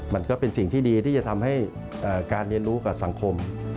มันก็เป็นสิ่งที่ดีที่จะทำให้การเรียนรู้กับสังคม